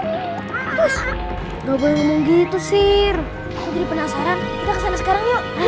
aduh terus gak boleh ngomong gitu sir aku jadi penasaran kita kesana sekarang yuk